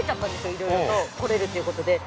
いろいろと来れるということで。